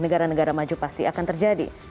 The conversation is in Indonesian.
negara negara maju pasti akan terjadi